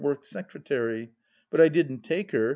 ked secreta^. But I didn't take her.